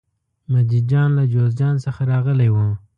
مجید جان له جوزجان څخه راغلی و.